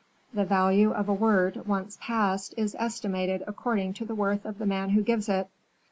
The value of a word, once passed, is estimated according to the worth of the man who gives it.